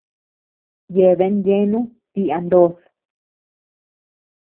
Yeabean yeanu ti a ndod.